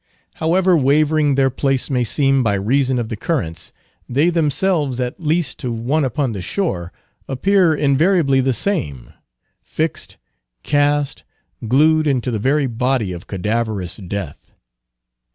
However wavering their place may seem by reason of the currents, they themselves, at least to one upon the shore, appear invariably the same: fixed, cast, glued into the very body of cadaverous death.